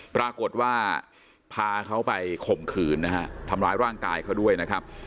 ปรากฏว่าพาเขาไปข่มขืนนะฮะทำร้ายร่างกายเขาด้วยนะครับ